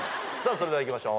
それではいきましょう